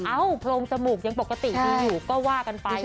เอ้าพลมสมุกยังปกติที่หนูก็ว่ากันไปคุณผู้ชม